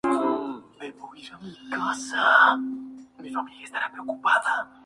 Las muy densas, largas y fuertes cerdas de cefalio ocultan su lana.